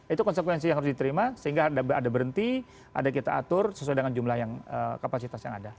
itu konsekuensi yang harus diterima sehingga ada berhenti ada kita atur sesuai dengan jumlah yang kapasitas yang ada